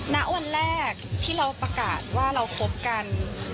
ณวันแรกที่เราประกาศว่าเราคบกัน